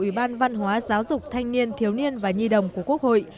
ủy ban văn hóa giáo dục thanh niên thiếu niên và nhi đồng của quốc hội